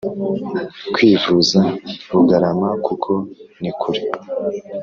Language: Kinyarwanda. Kwivuza rugarama kuko nikure